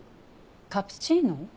カプチーノ？